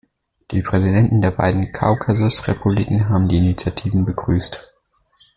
Die Präsidenten der beiden Kaukasusrepubliken haben die Initiativen begrüßt.